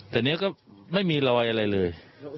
แต่นี่ก็ไม่มีรอยอะไรเลย